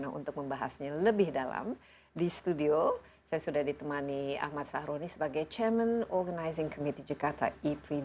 nah untuk membahasnya lebih dalam di studio saya sudah ditemani ahmad sahroni sebagai chairman organizing committee jakarta e pri dua ribu dua puluh dua